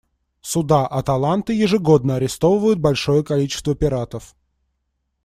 Суда «Аталанты» ежегодно арестовывают большое количество пиратов.